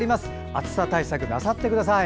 暑さ対策なさってください。